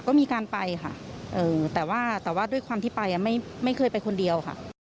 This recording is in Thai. ก็มีการไปค่ะแต่ว่าแต่ว่าด้วยความที่ไปไม่เคยไปคนเดียวค่ะ